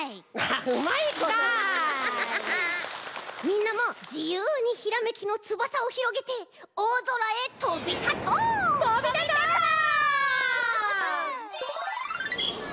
みんなもじゆうにひらめきのつばさをひろげておおぞらへとびたとう！とびたとう！